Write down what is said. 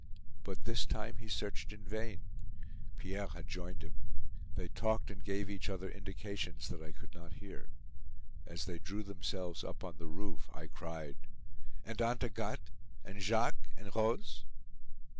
But this time he searched in vain. Pierre had joined him. They talked and gave each other indications that I could not hear. As they drew themselves up on the roof, I cried: "And Aunt Agathe? And Jacques? And Rose?"